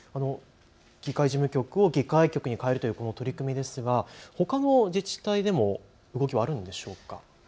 議会事務局を議会局に変えるという取り組みですがほかの自治体でも動きはあるんでしょうか。